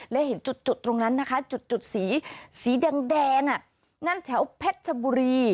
และเห็นจุดตรงนั้นนะคะจุดสีสีแดงนั่นแถวเพชรชบุรี